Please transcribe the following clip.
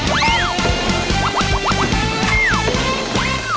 เฮ้ย